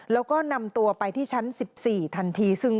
แล้วก็นำตัวไปที่ชั้น๑๔ทันที